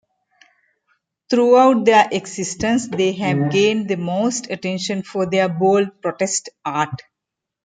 Throughout their existence, they have gained the most attention for their bold protest art.